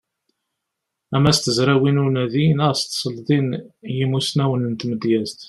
Ama s tezrawin n unadi neɣ s tselḍin n yimussnawen n tmedyazt.